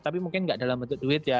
tapi mungkin nggak dalam bentuk duit ya